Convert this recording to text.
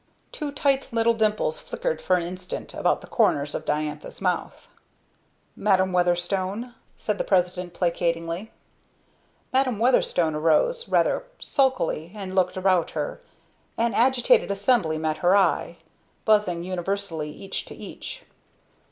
Two tight little dimples flickered for an instant about the corners of Diantha's mouth. "Madam Weatherstone?" said the President, placatingly. Madam Weatherstone arose, rather sulkily, and looked about her. An agitated assembly met her eye, buzzing universally each to each.